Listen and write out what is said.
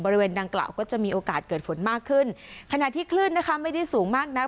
บริเวณดังกล่าวก็จะมีโอกาสเกิดฝนมากขึ้นขณะที่คลื่นนะคะไม่ได้สูงมากนัก